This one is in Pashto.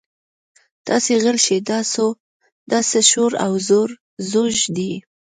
تاسې غلي شئ دا څه شور او ځوږ دی.